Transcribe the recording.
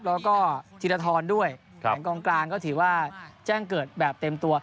แล้วก็ธีรทรด้วยของกองกลางก็ถือว่าแจ้งเกิดแบบเต็มตัว